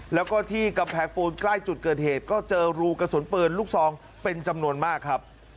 แล้วก็ที่กำแพงปูนใกล้จุดเกิดเหตุก็เจอรูกระสุนปืนลูกซองเป็นจำนวนมากครับ